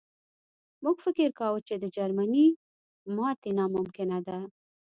موږ فکر کاوه چې د جرمني ماتې ناممکنه ده